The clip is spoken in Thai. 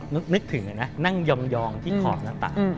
นึกถึงนะนั่งยองที่ขอบหน้าต่าง